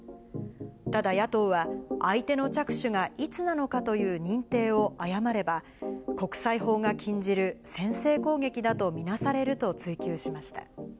ただ、野党は相手の着手がいつなのかという認定を誤れば、国際法が禁じる先制攻撃だと見なされると追及しました。